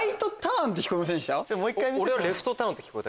俺はレフトターンって聞こえた。